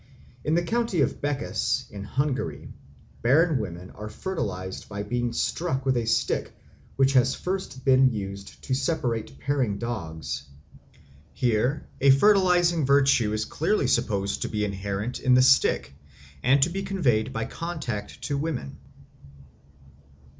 In the county of Bekes, in Hungary, barren women are fertilised by being struck with a stick which has first been used to separate pairing dogs. Here a fertilising virtue is clearly supposed to be inherent in the stick and to be conveyed by contact to the women.